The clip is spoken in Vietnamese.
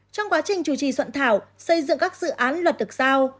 trong quá trình chủ trì soạn thảo xây dựng các dự án luật được giao